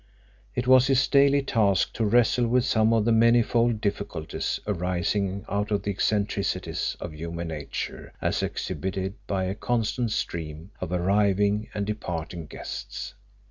It was his daily task to wrestle with some of the manifold difficulties arising out of the eccentricities of human nature as exhibited by a constant stream of arriving and departing guests.